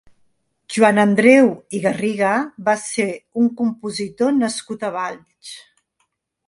Joan Andreu i Garriga va ser un compositor nascut a Valls.